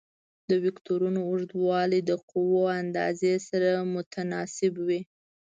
د وکتورونو اوږدوالی د قوو اندازې سره متناسب وي.